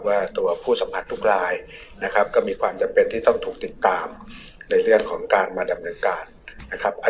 ว่าตัวผู้สัมผัสทุกรายนะครับก็มีความจำเป็นที่ต้องถูกติดตามในเรื่องของการมาดำเนินการนะครับ